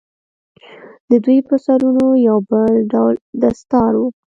د دوى پر سرونو يو بل ډول دستار و.